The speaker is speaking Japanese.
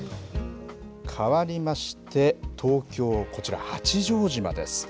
変わりまして東京、こちら八丈島です。